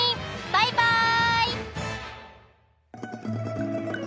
バイバイ！